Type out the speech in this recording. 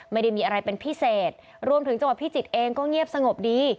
ไม่ได้มีอะไรเป็นพิเศษรวมถึงจังหวัดพิจิตรเองก็เงียบสงบดี